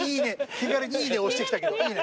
気軽に「いいね」押してきたけど。